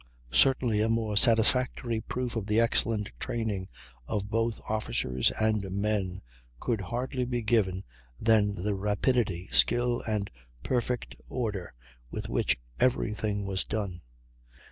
Certainly a more satisfactory proof of the excellent training of both officers and men could hardly be given than the rapidity, skill, and perfect order with which every thing was done.